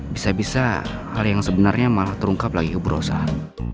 bisa bisa hal yang sebenarnya malah terungkap lagi kebrosan